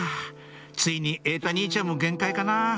ついに瑛太兄ちゃんも限界かな